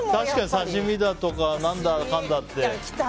確かに刺し身だとか何だかんだって。